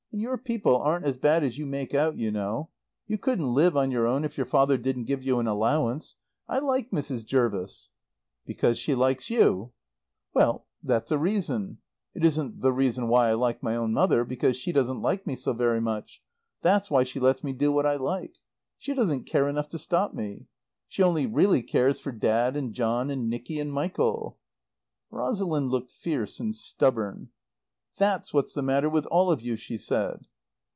And your people aren't as bad as you make out, you know. You couldn't live on your own if your father didn't give you an allowance. I like Mrs. Jervis." "Because she likes you." "Well, that's a reason. It isn't the reason why I like my own mother, because she doesn't like me so very much. That's why she lets me do what I like. She doesn't care enough to stop me. She only really cares for Dad and John and Nicky and Michael." Rosalind looked fierce and stubborn. "That's what's the matter with all of you," she said.